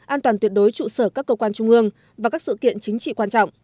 an toàn tuyệt đối trụ sở các cơ quan trung ương và các sự kiện chính trị quan trọng